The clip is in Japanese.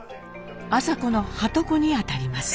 麻子のはとこにあたります。